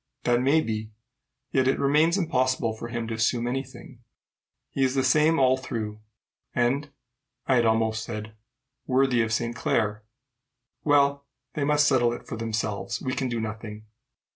"That may be; yet it remains impossible for him to assume any thing. He is the same all through, and I had almost said worthy of Saint Clare. Well, they must settle it for themselves. We can do nothing."